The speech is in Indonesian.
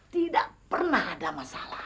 tidak pernah ada masalah